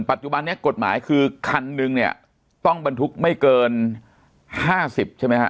ปัจจุบันนี้กฎหมายคือคันหนึ่งเนี่ยต้องบรรทุกไม่เกิน๕๐ใช่ไหมฮะ